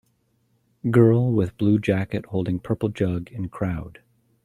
Girl with blue jacket holding purple jug in crowd